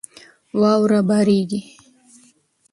واوره بارېږي.